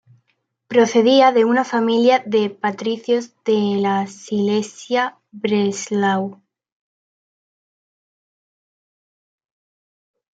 Procedía de una familia de patricios de la silesia Breslau.